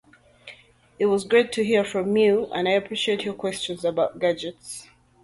It was great to hear from you and I appreciate your questions about gadgets.